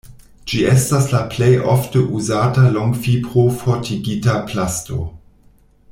Ĝi estas la plej ofte uzata longfibro-fortigita plasto.